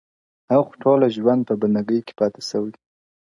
هغه خو ټوله ژوند په بنده گي كي پــاتــــه سـوى.